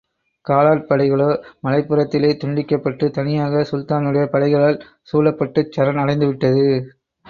காலாட்படைகளோ, மலைப்புறத்திலே துண்டிக்கப்பட்டு தனியாக சுல்தானுடைய படைகளால் சூழப்பட்டுச் சரண் அடைந்துவிட்டது.